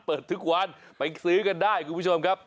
เปิดทุกวันไปซื้อกันได้คุณผู้ชมครับ